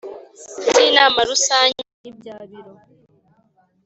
by Inama Rusange n ibya Biro